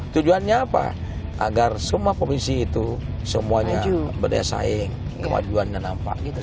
tujuannya apa agar semua provinsi itu semuanya berdaya saing kemajuan dan apa